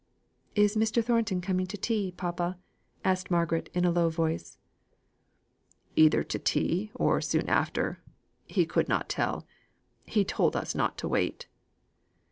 "Is Mr. Thornton coming to tea, papa!" asked Margaret in a low voice. "Either to tea or soon after. He could not tell. He told us not to wait."